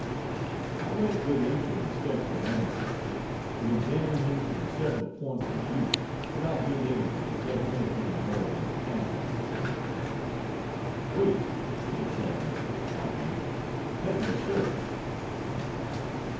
I went with him to inspect the ancestor, and examined him from several points of view, without being able to detect anything more than a passing resemblance. "Wait," said Sarony with confidence, "let me show you."